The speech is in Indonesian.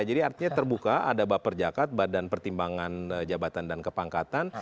jadi artinya terbuka ada baper jakat badan pertimbangan jabatan dan kepangkatan